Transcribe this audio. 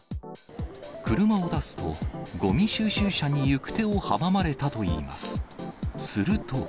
車を出すと、ごみ収集車に行く手を阻まれたといいます。